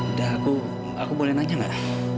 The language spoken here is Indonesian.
udah aku aku boleh nanya gak